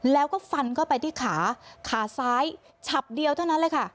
แล้วก็ฟันเข้าไปที่ขาขาซ้ายฉับเดียวเท่านั้นเลยค่ะ